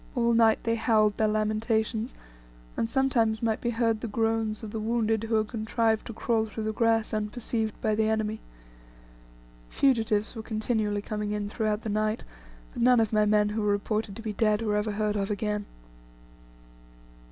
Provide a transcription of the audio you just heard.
All night they howled their lamentations, and sometimes might be heard the groans of the wounded who had contrived to crawl through the grass unperceived by the enemy. Fugitives were continually coming in throughout the night, but none of my men who were reported to be dead, were ever heard of again.